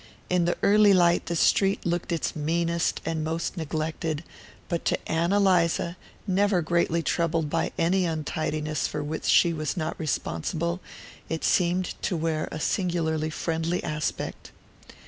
In the early light the street looked its meanest and most neglected; but to Ann Eliza, never greatly troubled by any untidiness for which she was not responsible, it seemed to wear a singularly friendly aspect.